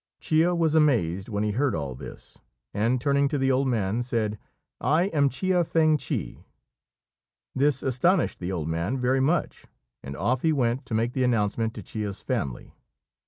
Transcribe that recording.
Chia was amazed when he heard all this, and, turning to the old man, said, "I am Chia Fêng chih." This astonished the old man very much, and off he went to make the announcement to Chia's family.